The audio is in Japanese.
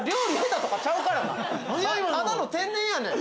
ただの天然やねん。